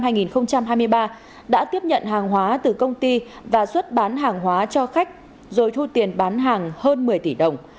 năm hai nghìn hai mươi ba đã tiếp nhận hàng hóa từ công ty và xuất bán hàng hóa cho khách rồi thu tiền bán hàng hơn một mươi tỷ đồng